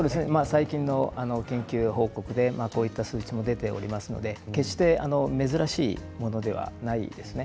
最近の研究報告でこういった数値も出ていますので決して珍しいものではないですね。